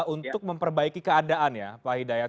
untuk memperbaiki keadaan ya pak hidayat